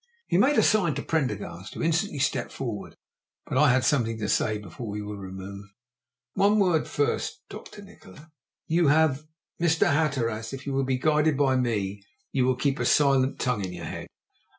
He made a sign to Prendergast, who instantly stepped forward. But I had something to say before we were removed. "One word first, Dr. Nikola. You have " "Mr. Hatteras, if you will be guided by me, you will keep a silent tongue in your head.